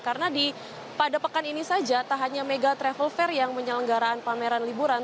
karena pada pekan ini saja tak hanya mega travel fair yang menyelenggarakan pameran liburan